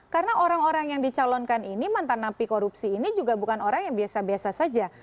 karena orang orang yang dicalonkan ini mantan napi korupsi ini juga bukan orang yang biasa biasa saja